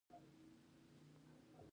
هلته انجینران هم د کارګرانو ترڅنګ کار کوي